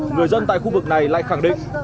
người dân tại khu vực này lại khẳng định